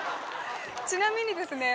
ちなみにですね